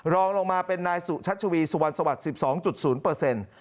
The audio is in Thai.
รองลงมาเป็นนายสุชัชวีสุวรรณสวรรค์๑๒๐